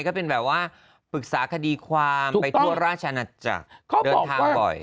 ก็เป็นแบบว่าปรึกษาคดีความไปทั่วราชนาจักรเดินทางบ่อย